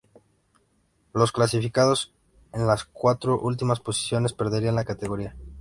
Los clasificados en las cuatro últimas posiciones perderían la categoría.